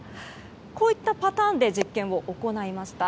こういったパターンで実験を行いました。